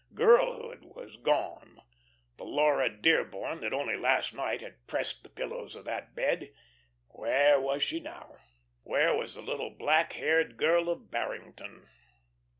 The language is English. Girlhood was gone; the Laura Dearborn that only last night had pressed the pillows of that bed, where was she now? Where was the little black haired girl of Barrington?